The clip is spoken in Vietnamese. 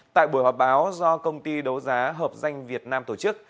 tại buổi họp báo do công ty đấu giá hợp danh việt nam tổ chức